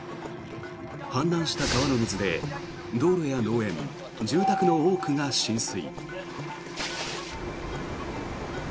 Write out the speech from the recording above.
氾濫した川の水で道路や農園、住宅の多くが浸水。